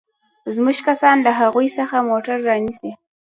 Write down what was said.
زموږ کسان له هغوى څخه موټر رانيسي.